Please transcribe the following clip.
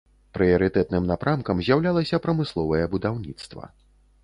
Прыярытэтным напрамкам з'яўлялася прамысловае будаўніцтва.